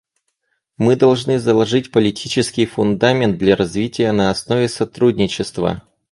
Мы должны заложить политический фундамент для развития на основе сотрудничества.